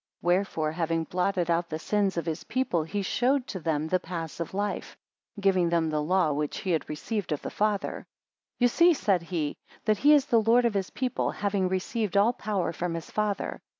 Wherefore having blotted out the sins of his people, he showed to them the paths of life, giving them the law which he had received of the Father. 53 You see, said he, that he is the Lord of his people, having received all power from his Father.